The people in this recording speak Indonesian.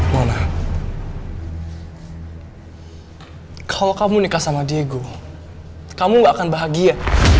monar kalau kamu nikah sama diego kamu gak akan bahagia